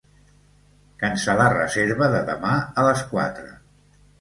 Cancel·lar reserva de demà a les quatre.